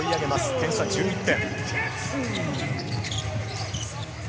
点差は１１点。